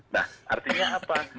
nah artinya apa